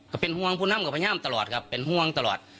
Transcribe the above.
ก็เป็นห่วงผู้นำก็พยายามตลอดครับเป็นห่วงตลอด